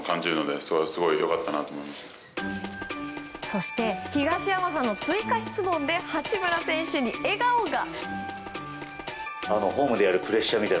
そして、東山さんの追加質問で八村選手に笑顔が。